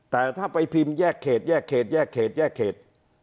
แต่ถ้าไปพิมพ์แยกเขตแยกเขตแยกเขตแยกเขต